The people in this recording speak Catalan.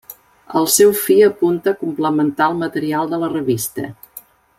El seu fi apunta a complementar el material de la revista.